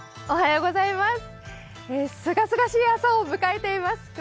おはようございます。